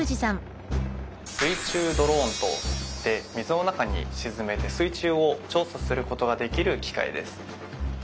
水中ドローンと言って水の中に沈めて水中を調査することができる機械です。